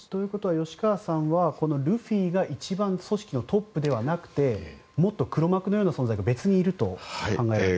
吉川さんはルフィが一番組織のトップではなく黒幕のような存在が別にいると考えていると。